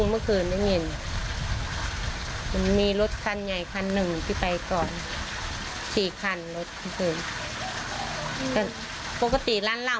ไม่มีอะไรอย่างนั้นหรือจะ๑๐เราตายวันนี้มันก็สนับตอนนะครับ